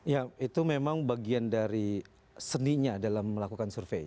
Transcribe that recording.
ya itu memang bagian dari seninya dalam melakukan survei